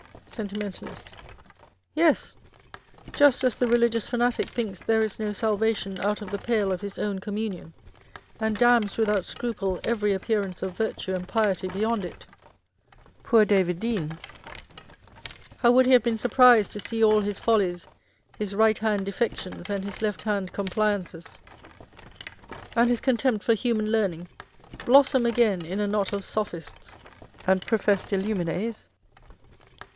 Sentimentalist. Yes ; just as the religious fanatic thinks there is no salvation out of the pale of his own communion, and damns without scruple every appearance of virtue and piety beyond it. Poor David Deans ! how would he have been surprised to see all his follies â€" his " right hand defections and his left hand compliances," and his con tempt for human learning, blossom again in a knot of sophists and professed illumines